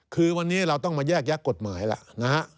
คือวันนี้เราต้องมาแยกแยะกฎหมายล่ะนะฮะ